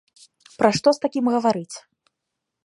Пра што з такім гаварыць?